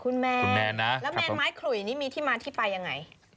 คุณแมนแมนนะแล้วแมนไม้ขลุยนี่มีที่มาที่ไปยังไง